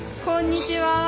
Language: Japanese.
「こんにちは」。